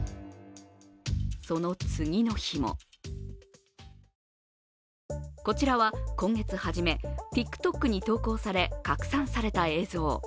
その次の日もこちらは今月初め、ＴｉｋＴｏｋに投稿され拡散された映像。